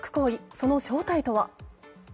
その正体とは。